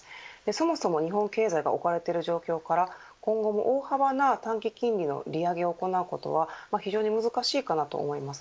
そもそも日本経済が置かれている状況から今後も大幅な短期金利の利上げを行うことは非常に難しいかなと思います。